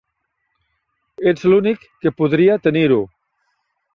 Ets l'únic que podria tenir-ho.